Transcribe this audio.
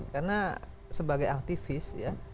karena sebagai aktivis ya